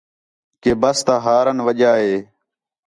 کہ بس تا ہارن وڄا ہِے